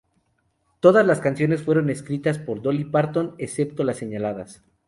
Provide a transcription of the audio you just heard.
Todas las canciones fueron escritas por Dolly Parton, excepto las señaladas.